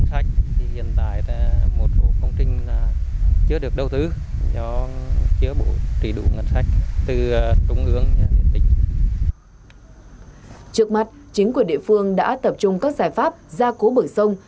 trước mặt chính quyền địa phương đã tập trung các giải pháp ra cố bởi sông